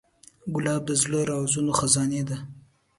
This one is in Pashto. ګلاب د زړه د رازونو خزانې ده.